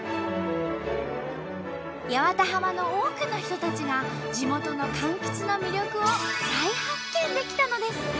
八幡浜の多くの人たちが地元のかんきつの魅力を再発見できたのです。